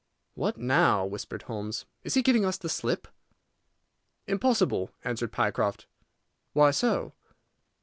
"What now?" whispered Holmes. "Is he giving us the slip?" "Impossible," answered Pycroft. "Why so?"